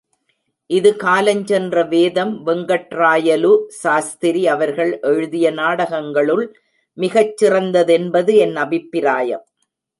இது காலஞ் சென்ற வேதம் வெங்கட்ராயலு சாஸ்திரி அவர்கள் எழுதிய நாடகங்களுள் மிகச் சிறந்த தென்பது என் அபிப்பிராயம்.